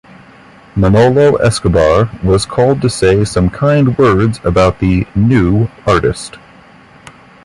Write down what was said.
Manolo Escobar was called to say some kind words about the "new" artist.